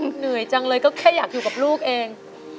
เหนื่อยจังเลยก็แค่อยากอยู่กับลูกเอง